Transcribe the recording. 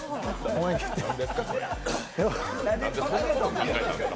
なんでそんなこと考えたんですか？